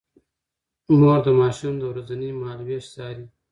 مور د ماشوم د ورځني مهالوېش څاري.